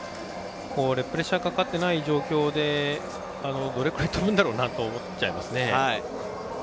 プレッシャーかかってない状況でどれくらい跳ぶんだろうなと思ってますね。